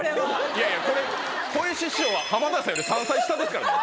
いやいやこれこいし師匠は浜田さんより３歳下ですからね。